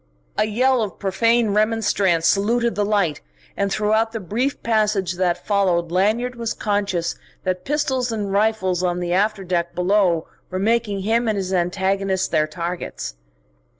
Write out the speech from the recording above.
A yell of profane remonstrance saluted the light, and throughout the brief passage that followed Lanyard was conscious that pistols and rifles on the after deck below were making him and his antagonist their targets.